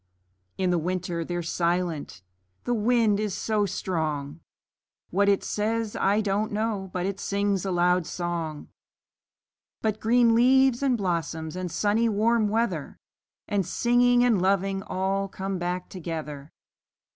In the winter they're silent the wind is so strong; What it says, I don't know, but it sings a loud song. But green leaves, and blossoms, and sunny warm weather, 5 And singing, and loving all come back together.